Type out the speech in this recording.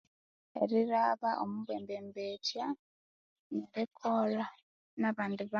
Erilhaba omubambembethya nerikolha na bandi ba